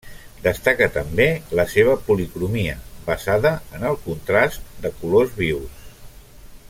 Destaca també la seva policromia, basada en el contrast de colors vius.